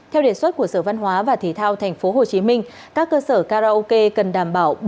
theo đề xuất của sở văn hóa và thể thao tp hcm các cơ sở karaoke cần đảm bảo